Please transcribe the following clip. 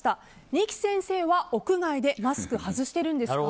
二木先生は屋外でマスク外してるんですか？